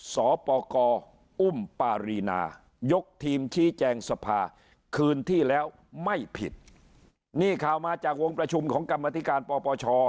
สปกอุ้มปารีนายกทีมชี้แจงสภาคืนที่แล้วไม่ผิดนี่ข่าวมาจากวงประชุมของกรรมธิการปปช